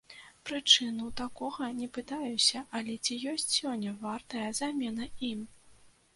Прычыну такога не пытаюся, але ці ёсць сёння вартая замена ім?